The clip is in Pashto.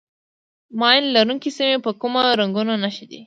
ماین لرونکي سیمې په کومو رنګونو نښه کېږي.